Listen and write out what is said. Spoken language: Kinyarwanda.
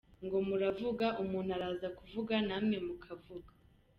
Ngo muravuga, umuntu araza akavuga, namwe mukavuga.